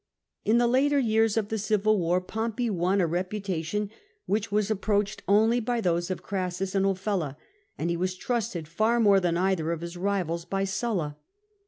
In the later years of the civil war Pompey won a reputation which was approached only by those of Crassus and of Ofella, and he was trusted far more than either of his rivals by Sulla.